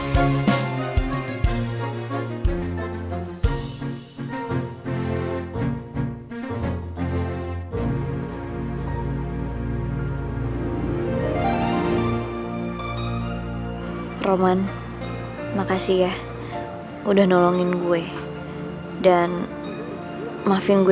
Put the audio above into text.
patreonuran temen temennya sensitif